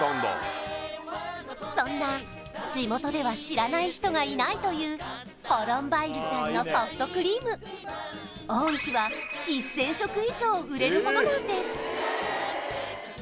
そんな地元では知らない人がいないというホロンバイルさんのソフトクリーム多い日は１０００食以上売れるほどなんです